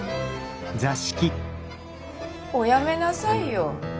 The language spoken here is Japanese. おやめなさいよ。